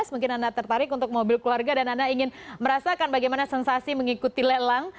mungkin anda tertarik untuk mobil keluarga dan anda ingin merasakan bagaimana sensasi mengikuti lelang